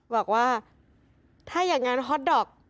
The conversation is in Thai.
บอกว่าถ้าอยากงานฮอตโด๊ก